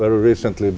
anh có thấy